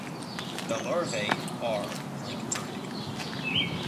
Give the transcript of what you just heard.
The larvae are planktonic.